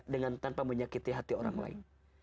dengan tanpa menyakiti hati orang lain